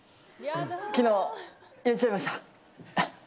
昨日、入れちゃいました。